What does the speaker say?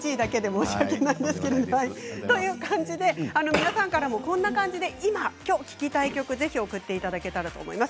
皆さんからもこんな感じで今、聴きたい曲を送っていただけたらと思います。